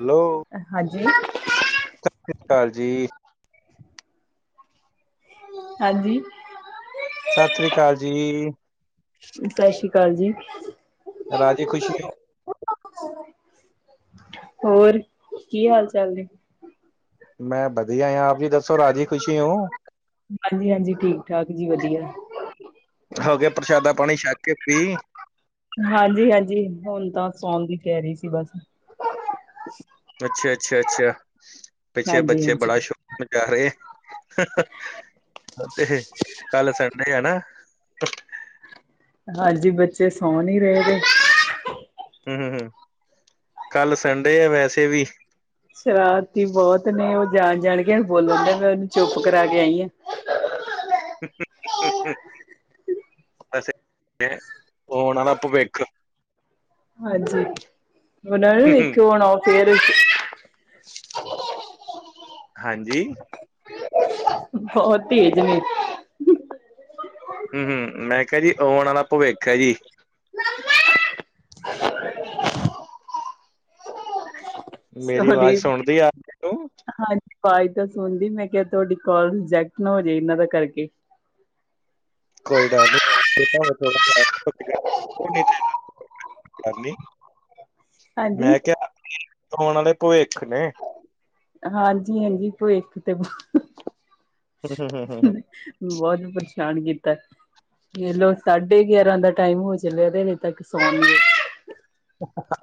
Hello. ਹਾਂਜੀ। ਸਤਿ ਸ੍ਰੀ ਅਕਾਲ ਜੀ। ਹਾਂਜੀ। ਸਤਿ ਸ੍ਰੀ ਅਕਾਲ ਜੀ। ਸਤਿ ਸ੍ਰੀ ਅਕਾਲ ਜੀ। ਰਾਜੀ ਖੁਸ਼ੀ ਹੋ ਹੋਰ, ਕੀ ਹਾਲ ਚਾਲ ਨੇ। ਮੈਂ ਵਧੀਆ ਆ। ਆਪ ਜੀ ਦੱਸੋ। ਰਾਜੀ ਖੁਸ਼ੀ ਹੋ ਹਾਂਜੀ- ਹਾਂਜੀ, ਠੀਕ -ਠਾਕ ਜੀ ਵਧੀਆ। ਹੋਗੇ ਪ੍ਰਸ਼ਾਦਾ ਪਾਣੀ ਛਕ ਕੇ ਫ੍ਰੀ। ਹਾਂਜੀ- ਹਾਂਜੀ, ਹੁਣ ਤਾਂ ਸੌਣ ਦੀ ਤਿਆਰੀ ਸੀ ਬਸ। ਅੱਛਾ -ਅੱਛਾ- ਅੱਛਾ ਪਿੱਛੇ ਹਾਂਜੀ ਬੱਚੇ ਹਾਂਜੀ ਬੜਾ ਸ਼ੌਕ। ਮਚਾ ਰਹੇ, ਤੇ ਕੱਲ ਸੰਡੇ ਆ ਨਾ। ਹਾਂਜੀ ਬੱਚੇ ਸੌਣ ਨਹੀਂ ਰਹਿਗੇ। ਹੂੰ -ਹੂੰ ਕੱਲ ਸੰਡੇ ਆ ਵੈਸੇ ਵੀ। ਸ਼ਰਾਰਤੀ ਬਹੁਤ ਨੇ ਉਹ ਜਾਣ- ਜਾਣ ਕੇ ਬੋਲਣ ਦੇ ਫਿਰ ਚੁੱਪ ਕਰਾ ਕੇ ਆਈ ਆਂ। ਹੂੰ -ਹੂੰ, ਅੱਛਾ ਵੈਸੇ ਆਉਂਣ ਵਾਲਾ ਭਵਿੱਖ। ਹਾਂਜੀ, ਉਹਨਾਂ ਨੇ ਨਾ ਵੇਖੀਆਂ ਹੋਣਾ ਉਹ ਫਿਰ। ਹਾਂਜੀ। ਬਹੁਤ ਤੇਜ਼ ਨੇ। ਹੂੰ- ਹੂੰ, ਮੈਂ ਕਿਹਾ ਜੀ ਆਉਣ ਵਾਲਾ ਭਵਿੱਖ ਹੈ ਜੀ। ਮੇਰੀ ਆਵਾਜ਼ ਸੁਣਦੀ ਤੈਨੂੰ। ਅਵਾਜ਼ ਤਾਂ ਸੁਣਦੀ ਮੈਂ ਕਿਹਾ ਤੁਹਾਡੀ ਕੌਲ ਰਿਜੈਕਟ ਨਾ ਹੋ ਜਾਏ ਇਹਨਾਂ ਦਾ ਕਰਕੇ। ਕੋਈ ਡਰ ਨੀ। ਹਾਂਜੀ, ਹਾਂਜੀ ਮੈਂ ਕਿਹਾ ਆਉਣ ਵਾਲੇ ਭਵਿੱਖ ਨੇ। ਹਾਂਜੀ- ਹਾਂਜੀ ਭਵਿੱਖ ਤੇ। ਬਹੁਤ ਹੂੰ, ਹੂੰ, ਹੂੰ, ਹੂੰ, ਹੂੰ। ਪਰੇਸ਼ਾਨ ਕੀਤਾ। ਦੇਖਲੋ ਸਾਢੇ ਗਿਆਰਾਂ ਦਾ ਟਾਈਮ ਹੋ ਚੱਲਿਆ ਤੇ ਹਜੇ ਤੱਕ ਸੌਏ ਨਹੀਂ।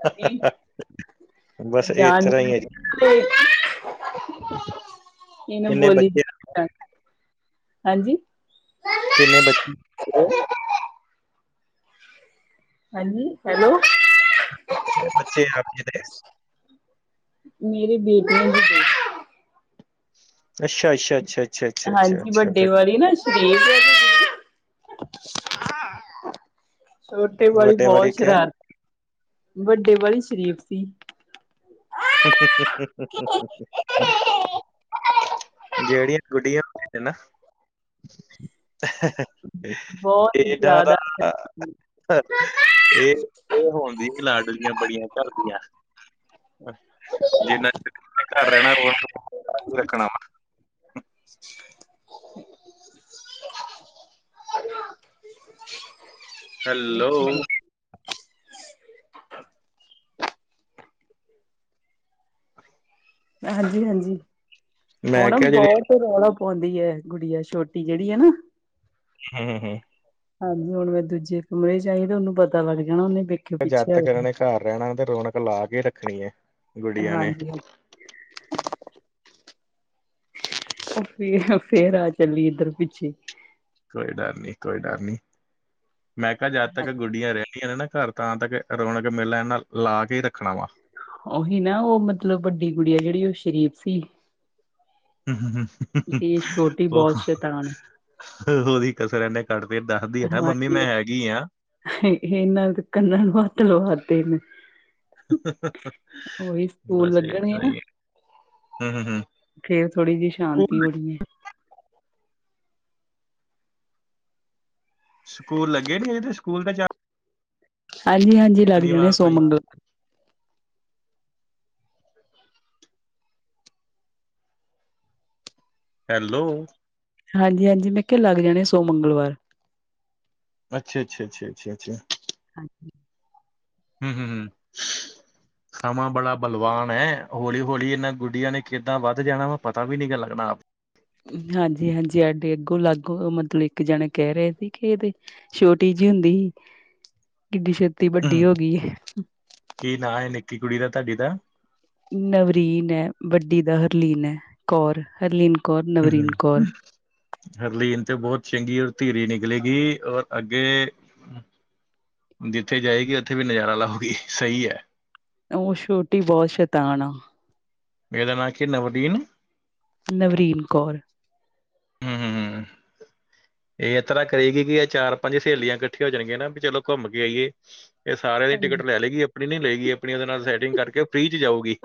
ਹਾਂਜੀ, ਬਸ ਇਸ ਜਾਣ ਤਰ੍ਹਾਂ ਹੀ ਲੱਗ ਹੈ ਜੀ ਗਿਆ ਕੰਮ ਤੇ। ਕਿਹਨੂੰ ਕਿੰਨੇ ਬੋਲੀ ਬੱਚੇ ਹਾਂਜੀ। ਕਿੰਨੇ ਬੱਚੇ। ਕਿੰਨੇ ਹਾਂਜੀ ਹੈਲੋ। ਮੈਂ ਕਿਹਾ ਕਿੰਨੇ ਬੱਚੇ ਆਪ ਜੀ ਦੇ। ਮੇਰੀ ਬੇਟੀਆਂ ਨੇ ਦੋ ਅੱਛਾ -ਅੱਛਾ- ਅੱਛਾ। ਅੱਛਾ, ਅੱਛਾ, ਹਾਂਜੀ ਅੱਛਾ ਵੱਡੇ ਫਿਰ ਵਾਲੀ ਨਾ ਸ਼ਰੀਫ ਹੈ। ਛੋਟੇ ਵਾਲੀ ਵੱਡੇ ਵਾਰੀ ਬਹੁਤ ਕਿਆ ਸ਼ਰਾਰਤੀ, ਵੱਡੇ ਵਾਲੀ ਸ਼ਰੀਫ ਸੀ। ਹੂੰ -ਹੂੰ, ਹੂੰ -ਹੂੰ। ਜਿਹੜੀਆਂ ਗੁਡੀਆਂ ਹੁੰਦੀਆਂ ਨੇ ਨਾ। ਬਹੁਤ ਇਹਦਾ ਜ਼ਿਆਦਾ ਤਾਂ। ਇਹ, ਉਹ ਹੁੰਦੀਆਂ ਲਾਡਲੀਆਂ ਬੜੀਆਂ ਘਰਦੀਆਂ। ਜਿੰਨਾ ਚਿਰ ਇਹਨੇ ਘਰ ਰਹਿਣਾ ਹੋਇਆਂ ਪੁੱਤਾਂ ਵਾਂਗੂੰ ਰੱਖਣਾ ਵਾ। [unintelligible] ਹੈਲੋ। ਹਾਂਜੀ-ਹਾਂਜੀ, ਮੈਂ ਹੁਣ ਕਿਹਾ ਜਿਹੜੀ ਬਹੁਤ ਤੇ ਰੌਲਾ ਪਾਉਂਦੀ ਹੈ, ਗੁਡੀਆ ਛੋਟੀ ਜਿਹੜੀ ਹੈ ਨਾ। ਹੂੰ, ਹੂੰ, ਹੂੰ। ਹਾਂਜੀ, ਹੁਣ ਮੈਂ ਦੂਜੇ ਕਮਰੇ ਚ ਆਈ ਤੇ ਉਹਨੂੰ ਪਤਾ ਲੱਗ ਜਾਣਾ ਉਹਨੇ ਜਦ ਪਿੱਛੇ ਤੱਕ ਇਹਨਾਂ ਹੋਣਾ। ਨੇ ਘਰ ਰਹਿਣਾ ਤੇ ਰੌਣਕ ਲਾ ਕੇ ਰੱਖਣੀ ਹੈ। ਗੁੜੀਆਂ ਨੇ ਹਾਂਜੀ ਹਾਂ ਫਿਰ, ਫਿਰ ਆ ਚੱਲੀ ਇੱਧਰ ਪਿੱਛੇ। ਕੋਈ ਡਰ ਨਹੀਂ ਕੋਈ ਡਰ ਨਹੀਂ, ਮੈਂ ਕਿਹਾ ਜੱਦ ਤੱਕ ਗੁੱਡੀਆਂ ਰਹਿਣੀਆਂ ਨੇ ਨਾ ਘਰ। ਤਾਂ ਤੱਕ ਰੌਣਕ ਮੇਲਾ ਇਹਨਾ ਲਾਕੇ ਰੱਖਣਾ ਵਾ। ਉਹੀ ਨਾ ਉਹ ਮੱਤਲਬ ਵੱਡੀ ਕੁੜੀ ਆ ਜਿਹੜੀ ਉਹ ਸ਼ਰੀਫ ਸੀ। ਹੂੰ [unintelligible] ਤੇ ਛੋਟੀ ਉਹ ਬਹੁਤ ਸ਼ੈਤਾਨ ਹੈ। ਉਹਦੀ ਕਸਰ ਇਹਨੇ ਕੱਢਦੇ ਦੱਸਦੀ ਆ ਨਾ ਮੰਮੀ ਮੈਂ ਹੈਗੀ ਆ। ਇਹ ਇਹਨਾਂ ਕੰਨਾ ਹੱਥ ਲਵਾਤੇ ਨੇ। ਉਹੀ ਸਕੂਲ ਬੱਸ ਇਹ ਲੱਗਣਗੇ ਤਾਂ ਨਾ ਹੀ ਹੂੰ। ਫੇਰ ਥੋੜ੍ਹੀ ਜਿਹੀ ਸ਼ਾਂਤੀ ਸਕੂਲ ਹੋਣੀ ਹੈ। ਸਕੂਲ ਲੱਗੇ ਨੀ ਅਜੇ ਸਕੂਲ ਤੇ ਜਾ ਹਾਂਜੀ-ਹਾਂਜੀ, ਲੱਗ ਜਾਣੇ ਸ਼ਨੀਵਾਰ ਤੋਂ ਸੋਂਮ ਹੀ ਮੰਗਲ ਹੈਲੋ। ਹਾਂਜੀ-ਹਾਂਜੀ, ਮੈਂ ਕਿਹਾ ਲੱਗ ਜਾਣੇ ਸੋਮ ਮੰਗਲਵਾਰ, ਅੱਛਾ, ਅੱਛਾ, ਅੱਛਾ, ਅੱਛਾ, ਅੱਛਾ। [inaudible] ਹੂੰ, ਹੂੰ, ਹੂੰ। ਸਮਾਂ ਬੜਾ ਬਲਵਾਨ ਹੈ ਹੌਲੀ ਹੌਲੀ ਇਹਨਾਂ ਗੁੱਡੀਆਂ ਨੇ ਕਿੱਦਾਂ ਵੱਧ ਜਾਣਾ ਵਾ ਪਤਾ ਵੀ ਨੀ ਲੱਗਣਾ ਆਪ। ਹਾਂਜੀ, ਹਾਂਜੀ, ਆਡੇ ਅੱਗੋਂ ਲਾਗੂ ਮੱਤਲਬ ਇੱਕ ਜਣੇ ਕਹਿ ਰਹੇ ਸੀ ਕਿ ਇਹਦੇ ਛੋਟੀ ਜਿਹੀ ਹੁੰਦੀ, ਕਿੱਡੀ ਛੇਤੀ ਵੱਡੀ ਹੂੰ ਹੋ ਗਈ ਹੈ। ਕੀ ਨਾਂ ਹੈ ਨਿੱਕੀ ਕੁੜੀ ਦਾ ਤੁਹਾਡੀ ਦਾ? ਨਵਰੀਨ ਹੈ ਵੱਡੀ ਦਾ ਹਰਲੀਨ ਹੈ ਕੌਰ ਹਰਲੀਨ ਕੌਰ ਹੂੰ ਨਵਰੀਨ ਹੂੰ ਕੌਰ। ਹਰਲੀਨ ਤੇ ਬਹੁਤ ਚੰਗੀ ਔਰ ਧੀਰੀ ਨਿਕਲੇਗੀ ਔਰ ਅੱਗੇ। ਜਿੱਥੇ ਜਾਏਗੀ ਉੱਥੇ ਵੀ ਨਜ਼ਾਰਾ ਲਾਉਗੀ ਸਹੀ ਹੈ। ਉਹ ਛੋਟੀ ਬਹੁੱਤ ਸ਼ੈਤਾਣ ਹੈ। ਇਹ ਦਾ ਨਾਂ ਕੀ ਨਵਦੀਨ? ਨਵਰੀਨ ਕੌਰ। ਹੂੰ ਹੂੰ ਹੂੰ। ਇਹ ਇਸ ਤਰ੍ਹਾਂ ਕਰੇਗੀ ਕਿ ਇਹ ਚਾਰ ਪੰਜ ਸਹੇਲੀਆਂ ਇਕੱਠੀਆਂ ਹੋ ਜਾਣਗੀਆਂ ਨਾ ਵੀ ਚਲੋ ਘੁੰਮ ਕੇ ਆਈਏ। ਇਹ ਸਾਰਿਆਂ ਦੀ ਟਿਕਟ ਹਾਂਜੀ ਲੈ ਲਏਗੀ ਆਪਣੀ ਨੀ ਲਏਗੀ ਆਪਣੀ ਉਹਦੇ ਨਾਲ ਸੈਟਿੰਗ ਕਰਕੇ ਫ੍ਰੀ ਚ ਜਾਊਗੀ।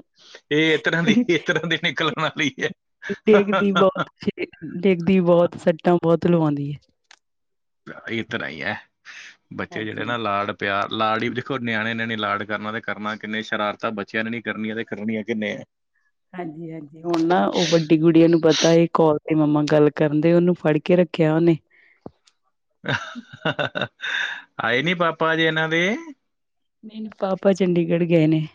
ਇਹ ਇਸ ਤਰ੍ਹਾਂ ਦੀ ਇਸ ਤਰ੍ਹਾਂ ਦੇ ਨਿਕਲਣ ਵਾਲੀ ਹੈ। ਡਿਗੱਦੀ ਬਹੁਤ ਸੱਟਾਂ ਬਹੁਤ ਲਵਾਉਂਦੀ ਹੈ। ਇਸ ਤਰ੍ਹਾਂ ਹੀ ਹੈ, ਬੱਚੇ ਜਿਹੜੇ ਹਾਂਜੀ ਨਾ ਲਾਡ ਪਿਆਰ ਲਾਡ ਹੀ ਦੇਖੋ ਨਿਆਣਿਆਂ ਨੇ ਨੀ ਲਾਡ ਕਰਨਾ ਤੇ ਕਰਨਾ ਕਿੰਨੇ ਸ਼ਰਾਰਤਾਂ ਬੱਚਿਆਂ ਨੇ ਨੀ ਕਰਨੀਆਂ ਤੇ ਕਰਨੀਆਂ ਕਿੰਨੇ। ਹਾਂਜੀ-ਹਾਂਜੀ। ਹੁਣ ਨਾ ਉਹ ਵੱਡੀ ਗੁੜੀਆਂ ਨੂੰ ਪਤਾ ਇਹ ਕਾਲ ਤੇ ਮੰਮਾ ਗੱਲ ਕਰਨ ਦੇ ਉਹਨੂੰ ਫੜ ਕੇ ਰੱਖਿਆ ਉਹਨੇ। ਆਏ ਨੀ ਪਾਪਾ ਜੇ ਇਹਨਾਂ ਦੇ? ਨਹੀਂ ਪਾਪਾ ਚੰਡੀਗੜ੍ਹ ਗਏ ਨੇ।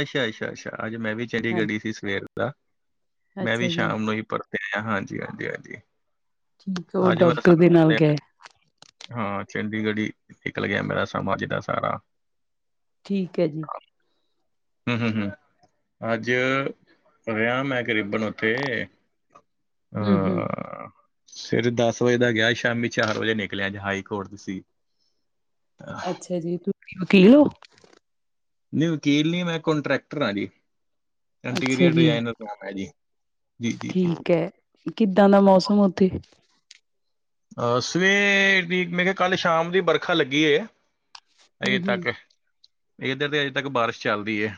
ਅੱਛਾ-ਅੱਛਾ-ਅੱਛਾ, ਅੱਜ ਮੈਂ ਵੀ ਚੰਡੀਗੜ੍ਹ ਹਾਂਜੀ ਸੀ ਸਵੇਰ ਦਾ, ਮੈਂ ਅੱਛਾ ਵੀ ਜੀ ਸ਼ਾਮ ਨੂੰ ਹੀ ਪਰ ਹਾਂਜੀ, ਹਾਂਜੀ, ਹਾਂਜੀ। ਉਹ ਅੱਜ ਮੇਰਾ ਡਾਕਟਰ ਦੇ ਸਾਰਾ ਨਾਲ ਤੇ- ਗਏ। ਹਾਂ ਚੰਡੀਗੜ੍ਹ ਹੀ ਨਿਕਲ ਗਿਆ ਮੇਰਾ ਸਮਾਂ ਜਿੱਦਾਂ ਸਾਰਾ ਠੀਕ ਹੈ ਜੀ ਹਮ ਹਮ ਹਮ ਅੱਜ ਰਿਹਾ ਮੈਂ ਕਰੀਬਨ ਉੱਥੇ ਹੂੰ, ਹੂੰ। ਸਵੇਰੇ ਦੱਸ ਵਜੇ ਦਾ ਗਿਆ ਸ਼ਾਮੀ ਚਾਰ ਵਜੇ ਨਿਕਲਿਆ ਅੱਜ ਹਾਈ ਕੋੋਰਟ ਸੀਂ ਅੱਛਾ ਜੀ ਤੁਸੀਂ ਵਕੀਲ ਹੋ ਨਹੀਂ ਵਕੀਲ ਨ ਮੈਂ ਕੋਂਟਰੈਕਟਰ ਹਾਂ ਜੀ ਅੱਛਾ ਇੰਟੀਰੀਅਰ ਜੀ ਡਿਜ਼ਾਇਨਰ ਮੈਂ ਜੀ ਜੀ ਜੀ ਜੀ ਠੀਕ ਹੈ ਕਿੱਦਾਂ ਦਾ ਮੌਸਮ ਉੱਥੇ ਅਹ ਸਵੇਰ ਦੀ ਮੈਂ ਕਿਹਾ ਕੱਲ ਸ਼ਾਮ ਦੀ ਵਰਖਾ ਲੱਗੀ ਹੂੰ ਅਜੇ ਹੂੰ ਤੱਕ ਇੱਧਰ ਤੇ ਅਜੇ ਤੱਕ ਬਾਰਿਸ਼ ਚੱਲਦੀ ਹੈ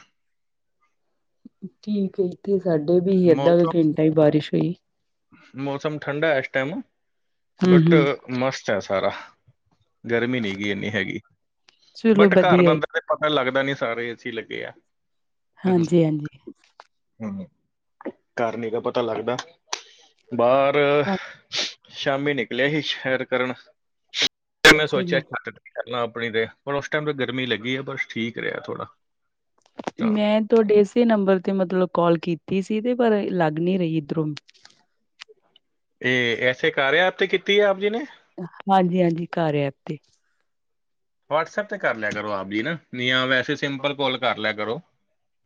ਠੀਕ ਇੱਥੇ ਸਾਡੇ ਵੀ ਹੀ ਅੱਧਾ ਕੁ ਮੌਸਮ ਘੰਟਾ ਹੀ ਬਾਰਿਸ਼ ਹੋਈ ਮੌਸਮ ਠੰਡਾ ਹੈ ਇਸ ਟਾਈਮ ਹੂੰ ਬਟ ਹੂੰ ਮਸਤ ਹੈ ਸਾਰਾ ਗਰਮੀ ਨੀ ਗ ਇੰਨੀ ਹੈਗੀ ਚਲੋ ਬਟ ਘਰ ਵਧੀਆ ਜੀ, ਦਾੰਦਾ ਪਤਾ ਲੱਗਦਾ ਨੀ ਸਾਰੇ ਏਸੀ ਲੱਗੇ ਆ ਹਮ ਹਮ ਹਾਂਜੀ ਹਾਂਜੀ ਘਰ ਨਹੀਂ ਨਾ ਪਤਾ ਲੱਗਦਾ ਬਾਹਰ ਸ਼ਾਮੀ ਨਿਕਲਿਆ ਸੀ ਸੈਰ ਕਰਨ ਫਿਰ ਮੈਂ ਅੱਛਾ ਸੋਚਿਆ ਜੀ ਘਰ ਕੀ ਆਪਣੀ ਤੇ ਹੁਣ ਉਸ ਟਾਈਮ ਤੇ ਗਰਮੀ ਲੱਗੀ ਹੈ ਬਸ ਠੀਕ ਰਿਹਾ ਥੋੜਾ ਤਾਂ ਮੈਂ ਤੁਹਾਡੇ ਇਸੇ ਨੰਬਰ ਤੇ ਮਤਲਬ ਕਾਲ ਕੀਤੀ ਸੀ ਤੇ ਪਰ ਲੱਗ ਨ ਰਹੀ ਇੱਧਰੋਂ ਇਹ ਐਸੇ ਕਾਰ ਤੇ ਕੀਤੀ ਹੈ ਆਪ ਜੀ ਨੇ ਹਾਂਜੀ ਹਾਂਜੀ ਕਾਰ ਐਪ ਤੇ ਹੈ ਤੇ ਵਟਸਐਪ ਤੇ ਕਰ ਲਿਆ ਕਰੋ ਆਪ ਜੀ ਨਾ ਜਾਂ ਵੈਸੇ ਸਿੰਪਲ ਕੋਲ ਕਰ ਲਿਆ ਕਰੋ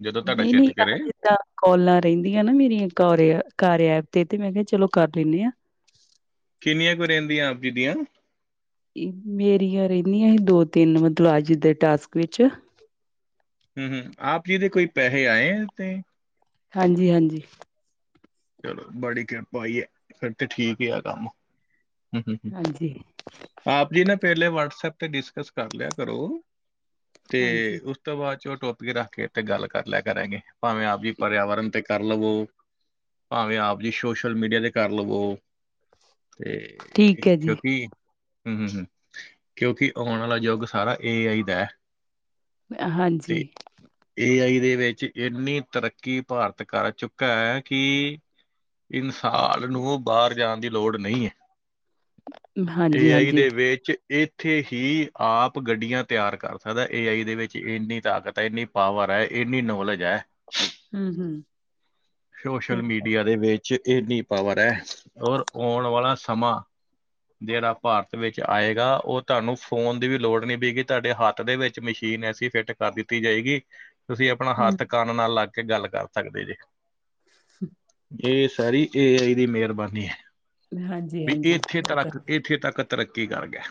ਜਦੋਂ ਤੁਹਾਡਾ ਨਹੀਂ ਚਿੱਤ ਨਹੀਂ ਘਰ ਕਰੇ ਜਿੱਦਾਂ ਕੌਲਾਂ ਰਹਿੰਦੀਆਂ ਨਾ ਮੇਰੀਆਂ ਕ ਕਾਰ ਐਪ ਤੇ ਤੇ ਮੈਂ ਕਿਹਾ ਚਲੋ ਕਰ ਲੈਂਦੇ ਆਾਂ ਕਿੰਨੀਆਂ ਕੁਈ ਰਹਿੰਦੀਆਂ ਆਪ ਜੀ ਦੀਆਂ ਮੇਰੀਆਂ ਰਹਿੰਦੀਆਂ ਸੀ ਦੋ ਤਿੰਨ ਮਤਲਬ ਅੱਜ ਦੇ ਟਾਸਕ ਵਿੱਚ ਹਮ ਹਮ ਆਪ ਜੀ ਦੇ ਕੋਈ ਪੈਸੇ ਆਏ ਤੇ ਹਾਂਜੀ ਹਾਂਜੀ ਚਲੋ ਬੜੀ ਕਿਰਪਾ ਹੋਈ ਹੈ ਫਿਰ ਤੇ ਠੀਕ ਹੀ ਆ ਕੰਮ ਹ ਹ ਹਾਂਜੀ ਆਪ ਜੀ ਨਾ ਪਹਿਲੇ ਵਟਸਪ ਤੇ ਡਿਸਕਸ ਕਰ ਲਿਆ ਘਰੋਂ ਤੇ ਹਾਂਜੀ ਤੋਂ ਬਾਅਦ ਚ ਉਹ ਟੋਪਿਕ ਰੱਖ ਕੇ ਇੱਥੇ ਗੱਲ ਕਰ ਲਿਆ ਕਰਾਂਗੇ ਭਾਵੇਂ ਆਪ ਜੀ ਪਰਿਆਵਰਨ ਤੇ ਕਰ ਲਵੋ ਭਾਵੇਂ ਆਪ ਜੀ ਸੋਸ਼ਲ ਮੀਡੀਆ ਤੇ ਕਰ ਲਵੋ ਤੇ ਠੀਕ ਹੈ ਜੀ ਕਿਉਂਕਿ ਹਮ ਹਮ ਹ ਕਿਉਂਕਿ ਆਉਣ ਵਾਲਾ ਯੁੱਗ ਸਾਰਾ ਇਹ ਆਹੀ ਦਾ ਹੈ ਤੇ ਹਾਂਜੀ ਏ ਆਈ ਦੇ ਵਿੱਚ ਇੰਨੀ ਤਰੱਕੀ ਭਾਰਤ ਕਰ ਚੁੱਕਾ ਹੈ ਕਿ ਇਨਸਾਨ ਨੂੰ ਬਾਹਰ ਜਾਣ ਦੀ ਲੋੜ ਨਹੀਂ ਹੈ ਹਾਂਜੀ ਏ ਆਈ ਹਾਂਜੀ ਦੇ ਵਿੱਚ ਇੱਥੇ ਹੀ ਆਪ ਗੱਡੀਆਂ ਤਿਆਰ ਕਰ ਸਕਦਾ ਏ ਆਈ ਦੇ ਵਿੱਚ ਇੰਨੀ ਤਾਕਤ ਹੈ ਇੰਨੀ ਪਾਵਰ ਹੈ ਇੰਨੀ ਨੌਲੇਜ ਹੈ ਹਮ ਹਮ ਸ਼ੋਸ਼ਲ ਠੀਕ ਮੀਡੀਆ ਦੇ ਵਿੱਚ ਇੰਨੀ ਪਾਵਰ ਹੈ ਔਰ ਆਉਣ ਵਾਲਾ ਸਮਾਂ ਜਿਹੜਾ ਭਾਰਤ ਵਿੱਚ ਆਏਗਾ ਉਹ ਤੁਹਾਨੂੰ ਫੋਨ ਦੀ ਵੀ ਲੋੜ ਨ ਪਏਗੀ ਤੁਹਾਡੇ ਹੱਥ ਦੇ ਵਿੱਚ ਮਸ਼ੀਨ ਐਸੀ ਫਿੱਟ ਕਰ ਦਿੱਤੀ ਜਾਏਗੀ ਤੁਸੀਂ ਆਪਣਾ ਹਮ ਹੱਥ ਕੰਨ ਨਾਲ ਲੱਗ ਕੇ ਗੱਲ ਕਰ ਸਕਦੇ ਜੇ ਇਹ ਸਾਰੀ ਏ ਆਈ ਦੀ ਮਿਹਰਬਾਨੀ ਹੈ ਹਾਂਜੀ ਹਾਂਜੀ ਉਹ ਤਾਂ ਤਰੱਕ ਇੱਥੇ ਤੱਕ ਤਰੱਕੀ ਕਰ ਗਿਆ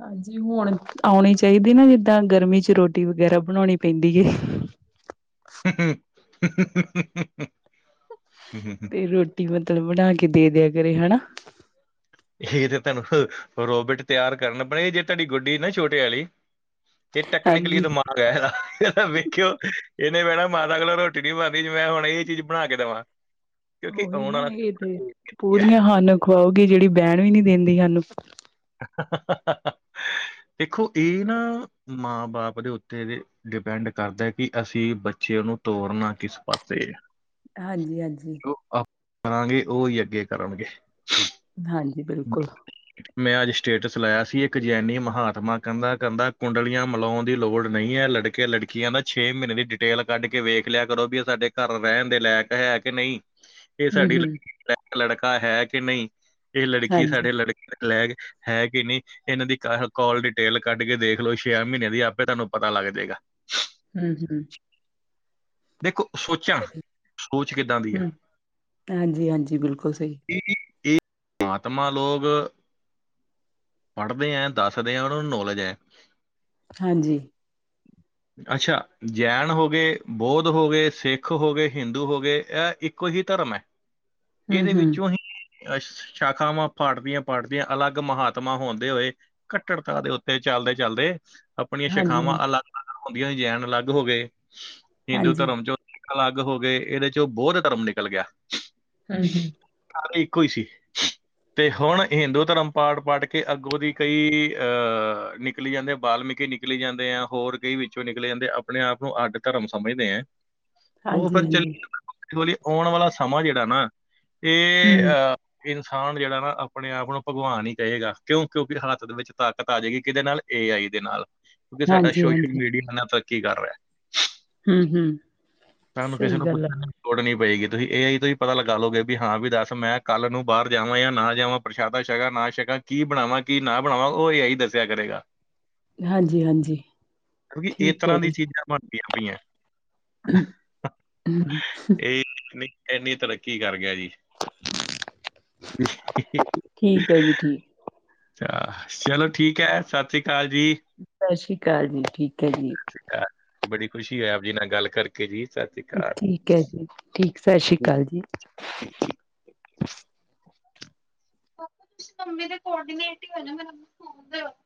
ਹਾਂਜੀ ਹੁਣ ਆਉਣੀ ਚਾਹੀਦੀ ਨਾ ਜਿੱਦਾਂ ਗਰਮੀ ਚ ਰੋਟੀ ਵਗੈਰਾ ਬਣਾਉਣੀ ਪੈਂਦੀ ਹੈ ਹਮ ਤੇ ਰੋਟੀ ਮਤਲਬ ਬਣਾ ਕੇ ਦੇ ਦਿਆ ਕਰੇ ਹੈਾ ਇਹ ਤੇ ਤੁਹਾਨੂੰ ਰੋਬਟ ਤਿਆਰ ਕਰਨਾ ਪਣੇ ਜੇ ਤੁਹਾਡੀ ਗੁੱਡੀ ਨਾ ਛੋਟੇ ਵਾਲੀ ਇਹ ਟੈਕਨਕਲੀ ਹਾਂਜੀ ਦਿਮਾ ਵਖਓ ਇਹਨੇ ਬੈਣਾ ਮਾਤਾ ਕੋਲੋਂ ਰੋਟੀ ਨੀ ਬਣਉਦੀ ਮੈਂ ਹੁਣ ਇਹ ਚੀਜ਼ ਬਣਾ ਕੇ ਦਵਾ। ਉਹੀ ਨਾ ਇਹ ਤੇ ਪੂਰੀਆ ਹਾਨ ਖਵਾਓਗੇ ਜਿਹੜੀ ਬਹਿਣ ਵੀ ਨੀ ਦਿੰਦੀ ਹਾਨੂੰ। ਦੇਖੋ ਇਹ ਨਾ ਮਾਂ ਬਾਪ ਦੇ ਉੱਤੇ ਦੇ ਡਿਪੈਂਡ ਕਰਦਾ ਕਿ ਅਸੀਂ ਬੱਚੇ ਉਹ ਨੂੰ ਤੋਰਨਾ ਕਿਸ ਪਾਸੇ ਹਾਂਜੀ-ਹਾਂਜੀ। ਜੋ ਆਪ ਕਰਾਂਗੇ ਉਹੀ ਅੱਗੇ ਕਰਨਗੇ। ਹਾਂਜੀ ਬਿਲਕੁਲ। ਮੈਂ ਅੱਜ ਸਟੇਟਸ ਲਾਇਆ ਸੀ ਇੱਕ ਜੈਨੀ ਮਹਾਤਮਾ ਕਹਿੰਦਾ, ਕਹਿੰਦਾ ਕੁੰਡਲੀਆਂ ਮਿਲਾਉਣ ਦੀ ਲੋੜ ਨਹੀਂ ਹੈ ਲੜ ਕਿ ਲੜਕੀਆਂ ਦਾ ਛੇ ਮਹੀਨੇ ਦੀ ਡਿਟੇਲ ਕੱਢ ਕੇ ਵੇਖ ਲਿਆ ਕਰੋ ਵੀ ਇਹ ਸਾਡੇ ਘਰ ਰਹਿਣ ਦੇ ਲਾਇਕ ਹੈ ਕਿ ਨਈ। ਇਹ ਹਮ ਸਾਡੀ ਹਮ ਲੜਕੀ ਦੇ ਲਾਇਕ ਲੜਕਾ ਹੈ ਕਿ ਨਹੀ। ਇਹ ਲੜਕੀ ਹਾਂਜੀ ਸਾਡੇ ਲੜਕੇ ਲੈਕ ਹੈ ਕਿ ਨਈ ਇਹਨਾਂ ਦੀ ਕੋਲ ਡਿਟੇਲ ਕੱਢ ਕੇ ਦੇਖ ਲਓ ਛੇ ਮਹੀਨੇ ਦੀ ਆਪੇ ਤੁਹਾਨੂੰ ਪਤਾ ਲੱਗ ਜੇਗਾ। ਹਮ-ਹਮ ਦੇਖੋ ਸੋਚਾ ਸੋਚ ਕਿੱਦਾਂ ਦੀ ਆ। ਹੂੰ, ਹਾਂਜੀ, ਹਾਂਜੀ ਬਿਲਕੁਲ ਸਹੀ ਇਹ [unintelligible] ਮਾਤਮਾ ਲੋਗ ਪੜ੍ਹਦੇ ਹੈ ਦੱਸਦੇ ਆ ਉਹਨਾਂ ਨੂੰ ਨੌਲੇਜ ਹੈ। ਹਾਂਜੀ ਅੱਛਾ ਜੈਨ ਹੋ ਗਏ ਬੋਧ ਹੋ ਗੇ, ਸਿੱਖ ਹੋ ਗੇ, ਹਿੰਦੂ ਹੋ ਗੇ ਇਹ ਇੱਕੋ ਹੀ ਧਰਮ ਹੈ। ਹੂੰ, ਇਹਦੇ ਹੂੰ, ਵਿੱਚੋਂ ਆਹੀ ਅ ਸ਼ਾਖਾਵਾਂ ਫੜਦੀਆਂ-ਫੜਦੀਆਂ ਅਲੱਗ ਮਹਾਤਮਾ ਹੁੰਦੇ ਹੋਏ ਕੱਟੜਤਾ ਦੇ ਉੱਤੇ ਚਲਦੇ-ਚਲਦੇ ਆਪਣੀਆਂ ਹਾਂਜੀ, ਸ਼ੇਖਾਵਾਂ ਹਾਂਜੀ, ਅਲੱਗ-ਅਲੱਗ ਹਉਂਦੀਆਂ ਜੈਨ ਅਲੱਗ ਹੋ ਗਏ ਹਿੰਦੂ ਹਾਂਜੀ, ਧਰਮ ਚੋ ਅਲੱਗ ਹੋ ਗਏ ਇਹਦੇ ਚੋਂ ਬੋਧ ਧਰਮ ਨਿਕਲ ਗਿਆ। ਅੱਛਾ [unintelligible] ਇੱਕੋ ਸੀ। ਤੇ ਹੁਣ ਹਿੰਦੂ ਧਰਮ ਪਾੜ ਪਾੜ ਕੇ ਅੱਗੋਂ ਦੀ ਕਈ ਅਹ ਨਿਕਲੀ ਜਾਂਦੇ ਬਾਲਮੀਕੀ ਨਿਕ ਨਿਕਲੀ ਜਾਂਦੇ ਆ ਹੋਰ ਕਈ ਵਿੱਚੋਂ ਨਿਕਲੇ ਜਾਂਦੇ ਆ ਆਪਣੇ ਆਪ ਨੂੰ ਅੱਡ ਧਰਮ ਸਮਝਦੇ ਆ ਉਹ ਹਾਂਜੀ, ਫੇਰ ਚੱਲ ਹਾਂਜੀ, [unintelligible] ਆਉਣ ਵਾਲਾ ਸਮਾਂ ਜਿਹੜਾ ਨਾ ਇਹ ਹੂੰ, ਅ ਇਨਸਾਨ ਜਿਹੜਾ ਨਾ ਆਪਣੇ ਆਪ ਨੂੰ ਭਗਵਾਨ ਹੀ ਕਹੇਗਾ ਕਿਉਂ ਕਿਉਂਕਿ ਹੱਥ ਦੇ ਵਿੱਚ ਤਾਕਤ ਆ ਜਾਵੇਗੀ ਕਿਦੇ ਨਾਲ ਏ ਆਈ ਦੇ ਨਾਲ, ਕਿਉਂਕਿ ਸਾਡਾ ਹਾਂਜੀ, ਸੋਸ਼ਲ ਹਾਂਜੀ, ਮੀਡੀਆ ਇਨ੍ਹਾਂ ਤਰੱਕੀ ਕਰ ਰਿਹਾ। ਹਮ-ਹਮ ਤੁਹਾਨੂੰ ਕਿਸੇ ਨੂੰ ਪੁੱਛਣ ਲੋੜ ਨੀ ਪਏਗੀ ਤੁਸੀ ਏ ਆਈ ਤੋ ਹੀ ਪਤਾ ਲਗਾ ਲਓਗੇ ਵੀ ਹਾਂ ਵੀ ਦੱਸ ਮੈਂ ਕੱਲ੍ਹ ਨੂੰ ਬਾਹਰ ਜਾਵਾ ਜਾ ਨਾ ਜਾਵਾ। ਪ੍ਰਸ਼ਾਦਾ ਛੱਕਾ ਨਾ ਛੱਕਾ ਕੀ ਬਣਾਵਾ ਕੀ ਨਾ ਬਣਾਵਾ ਉਹ ਏ ਆਈ ਦੱਸਿਆ ਕਰੇਗਾ। ਹਾਂਜੀ, ਹਾਂਜੀ, [unintelligible] ਇਸ ਠੀਕ ਹੈ ਤਰਾਂ ਦੀ ਚੀਜ਼ਾ ਬਣਦੀਆ ਪਈਆ। ਹਮ ਇਹ ਇੰਨੀ ਤਰੱਕੀ ਕਰ ਗਿਆ ਜੀ। ਠੀਕ ਹੈ ਜੀ, [unintelligible] ਠੀਕ। ਚਲੋ ਠੀਕ ਹੈ ਸਸ ਸ੍ਰੀ ਕਾਲ ਜੀ। ਸਸ ਸ੍ਰੀ ਕਾਲ ਜੀ, ਠੀਕ ਹੈ ਜੀ। ਬੜੀ ਖੁਸ਼ੀ ਹੈ ਆਪ ਜੀ ਨਾਲ ਗੱਲ ਕਰਕੇ [unintelligible] ਠੀਕ ਹੈ ਜੀ ਠੀਕ ਸਸ ਸ੍ਰੀ ਕਾਲ ਜੀ। [unintelligible] ਕੋਡਨੇਟ [unintelligible]